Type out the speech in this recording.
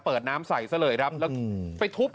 เปิดน้ำใส่ซะเลยแล้วไปทุบ